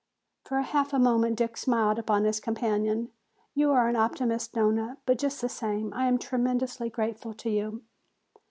For half a moment Dick smiled upon his companion. "You are an optimist, Nona, but just the same I am tremendously grateful to you."